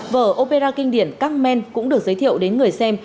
vở opera kinh điển cang men cũng được giới thiệu đến người xem